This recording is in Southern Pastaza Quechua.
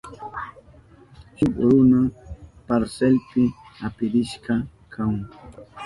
Shuk runa karselpi apirishka kahun.